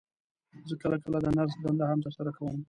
زه کله کله د نرس دنده هم تر سره کوم.